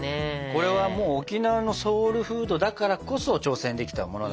これは沖縄のソウルフードだからこそ挑戦できたものなのかもね。